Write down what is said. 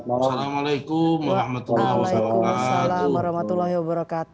assalamualaikum wr wb